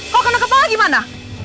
kalo kena kepala gimana